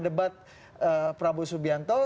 debat prabowo subianto